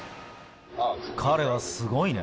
彼はすごいね。